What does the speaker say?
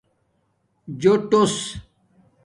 جݸٹوس